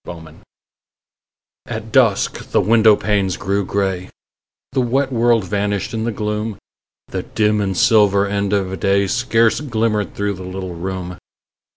FORGIVENESS At dusk the window panes grew grey; The wet world vanished in the gloom; The dim and silver end of day Scarce glimmered through the little room.